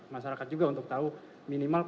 masyarakat juga untuk tahu minimal